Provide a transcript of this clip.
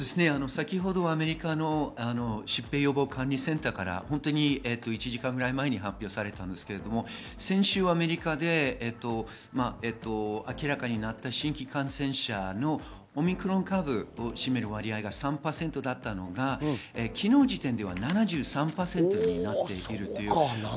アメリカの疾病予防管理センターから１時間ぐらい前に発表されたんですけれど、先週、アメリカで明らかになった新規感染者のオミクロン株を占める割合が３％だったのが、昨日時点では７３％になっているんです。